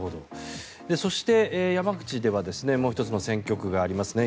そして、山口ではもう１つの選挙区がありますね。